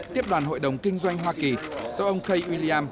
tiếp đoàn hội đồng kinh doanh hoa kỳ do ông kay william